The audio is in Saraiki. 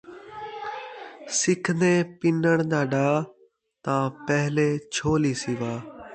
سکھدیں پنݨ دا ݙاں ، تاں پہلے جھولی سِوا